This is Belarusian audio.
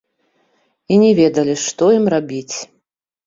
І не ведалі, што ім рабіць.